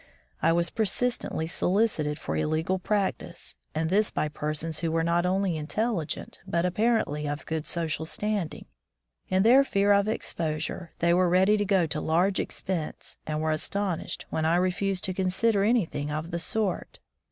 I was persistently solicited for illegal practice, and this by persons who were not only intelligent, but apparently of good social standing. In 137 From the Deep Woods to Civilization their fear of exposure, they were ready to go to large expense, and were astonished when I refused to consider anything of the sort.